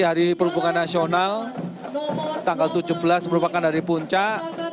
hari perhubungan nasional tanggal tujuh belas merupakan hari puncak